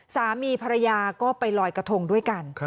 สามีภรรยาก็ไปลอยกระทงด้วยกัน